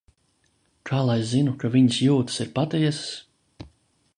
Kā lai zinu, ka viņas jūtas ir patiesas?